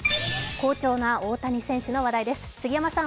好調な大谷選手の話題です。